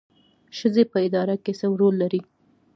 ښځې په اداره کې څه رول لري؟